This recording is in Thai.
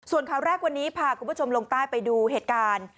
ส่วนข่าวแรกวันนี้พาคุณผู้ชมลงใต้ไปดูเหตุการณ์